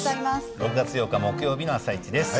６月８日木曜日の「あさイチ」です。